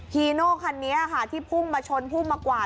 ฮีโน่คันนี้ค่ะที่พุ่งมาชนพุ่งมากวาด